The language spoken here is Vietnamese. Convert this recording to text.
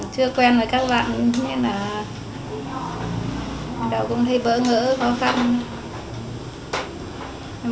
chưa quen với các bạn nên là